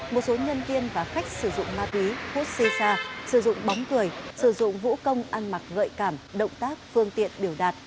một số nhân viên và khách sử dụng ma túy hút xê xa sử dụng bóng cười sử dụng vũ công ăn mặc gợi cảm động tác phương tiện biểu đạt